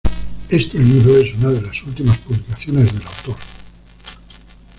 Este libro es una de las últimas publicaciones del autor.